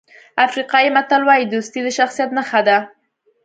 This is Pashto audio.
افریقایي متل وایي دوستي د شخصیت نښه ده.